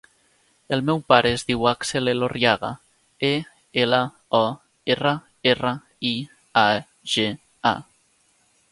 El meu pare es diu Axel Elorriaga: e, ela, o, erra, erra, i, a, ge, a.